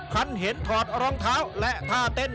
คันเห็นถอดรองเท้าและท่าเต้น